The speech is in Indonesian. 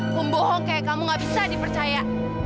kumbohong kayak kamu gak bisa dipercaya